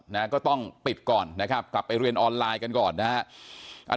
นะฮะก็ต้องปิดก่อนนะครับกลับไปเรียนออนไลน์กันก่อนนะฮะ